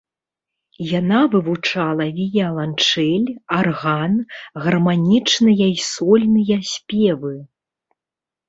Яна вывучала віяланчэль, арган, гарманічныя і сольныя спевы.